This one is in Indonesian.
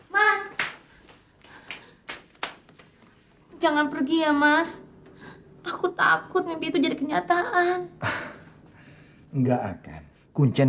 mas jangan pergi ya mas aku takut mimpi itu jadi kenyataan enggak akan kuncian